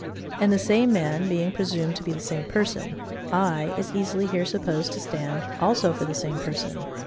And the same man being presumed to be the same person, I is easily here supposed to stand also for the same person.